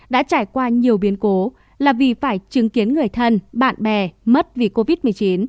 đã trải qua nhiều biến cố là vì phải chứng kiến người thân bạn bè mất vì covid một mươi chín